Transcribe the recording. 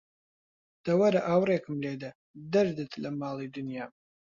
دە وەرە ئاوڕێکم لێدە، دەردت لە ماڵی دنیام